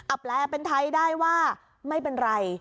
แปลเป็นไทยได้ว่าไม่เป็นไร